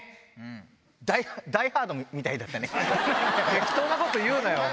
適当なこと言うなよ！